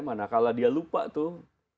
mana kalah dia lupa tuh